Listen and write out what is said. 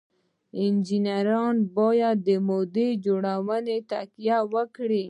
انجینران په موډل جوړونه تکیه کوي.